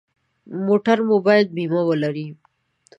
موټر مو باید بیمه ولري.